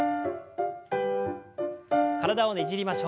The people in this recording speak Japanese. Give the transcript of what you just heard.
体をねじりましょう。